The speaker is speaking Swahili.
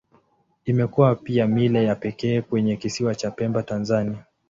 Imekuwa pia mila ya pekee kwenye Kisiwa cha Pemba, Tanzania.